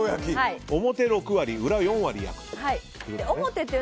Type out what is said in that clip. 表６割、裏４割焼くと。